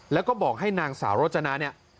แล้วก็บอกให้นางสาวโรจนาเนี่ย